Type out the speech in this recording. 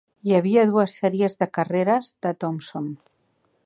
Hi havia dues sèries de carreres de Thompson.